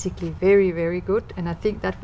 khu vực việt nam